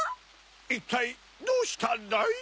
いったいどうしたんだい？